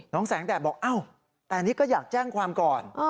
แสงแดดบอกอ้าวแต่นี่ก็อยากแจ้งความก่อน